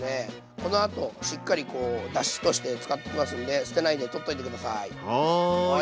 このあとしっかりこうだしとして使っていきますんで捨てないで取っといて下さい。